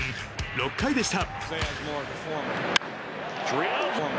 ６回でした。